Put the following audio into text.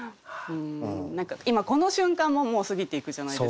今この瞬間ももう過ぎていくじゃないですか。